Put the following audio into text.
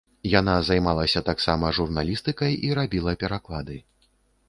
Яна займалася таксама журналістыкай і рабіла пераклады.